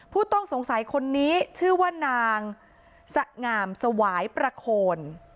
ผู้ต้องสงสัยคนนี้ชื่อว่านางสงามสวายประโคน